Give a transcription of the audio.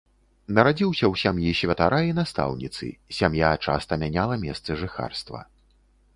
Нарадзіўся ў сям'і святара і настаўніцы, сям'я часта мяняла месцы жыхарства.